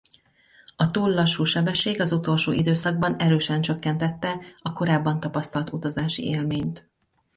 A túl lassú sebesség az utolsó időszakban erősen csökkentette a korábban tapasztalt utazási élményt.